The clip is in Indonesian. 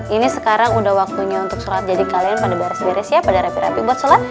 ini sekarang udah waktunya untuk sholat jadi kalian pada beres beres ya pada rapi rapi buat sholat